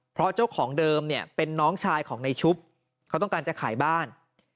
เพราะเจ้าของเดิมเนี่ยเป็นน้องชายของในชุบเขาต้องการจะขายบ้าน